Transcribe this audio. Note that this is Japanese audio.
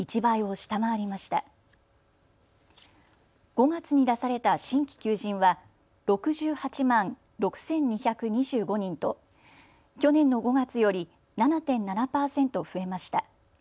５月に出された新規求人は６８万６２２５人と去年の５月より７．７％増えました。